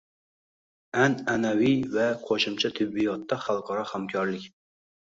An’anaviy va qo‘shimcha tibbiyotda xalqaro hamkorlik